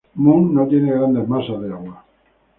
Moore no tiene grandes masas de agua.